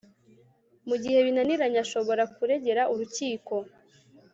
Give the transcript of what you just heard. mu gihe binaniranye ashobora kuregera urukiko